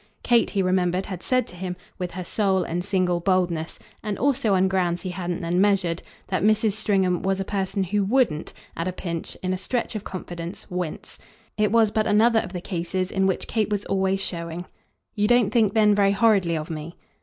Kate, he remembered, had said to him, with her sole and single boldness and also on grounds he hadn't then measured that Mrs. Stringham was a person who WOULDN'T, at a pinch, in a stretch of confidence, wince. It was but another of the cases in which Kate was always showing. "You don't think then very horridly of me?"